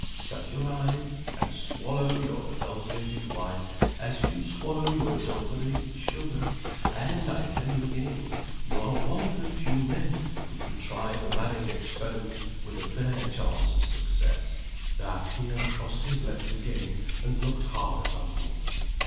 Shut your eyes, and swallow your adulterated wife as you swallow your adulterated sugar and, I tell you again, you are one of the few men who can try the marriage experiment with a fair chance of success." With that he uncrossed his legs again, and looked hard at Arnold.